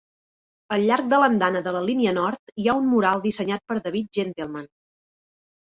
Al llarg de l'andana de la línia nord hi ha un mural dissenyat per David Gentleman.